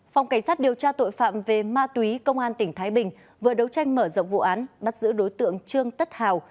phòng cảnh sát điều tra tội phạm về ma túy công an tỉnh thái bình vừa đấu tranh mở rộng vụ án bắt giữ đối tượng trương tất hào